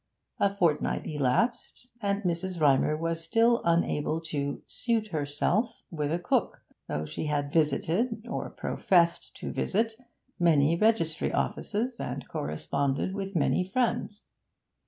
A fortnight elapsed, and Mrs. Rymer was still unable to 'suit herself' with a cook, though she had visited, or professed to visit, many registry offices and corresponded with many friends.